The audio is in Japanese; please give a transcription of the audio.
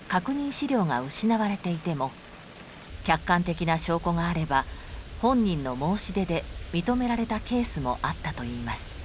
資料が失われていても客観的な証拠があれば本人の申し出で認められたケースもあったといいます。